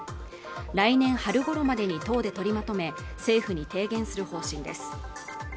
来年春ごろまでに党で取りまとめ政府に提言する方針です